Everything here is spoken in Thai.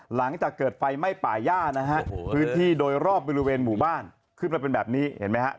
หลังจากเกิดไฟไหม้ป่าย่านะฮะพื้นที่โดยรอบบริเวณหมู่บ้านขึ้นมาเป็นแบบนี้เห็นไหมฮะ